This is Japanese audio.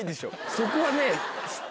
そこはね。